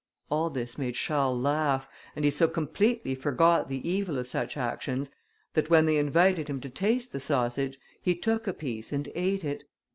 All this made Charles laugh, and he so completely forgot the evil of such actions, that when they invited him to taste the sausage, he took a piece and ate it.